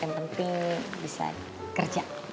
yang penting bisa kerja